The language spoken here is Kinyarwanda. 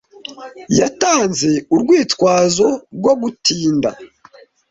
Yatanze urwitwazo rwo gutinda.